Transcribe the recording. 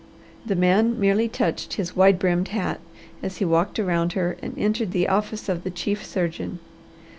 The man merely touched his wide brimmed hat as he walked around her and entered the office of the chief surgeon.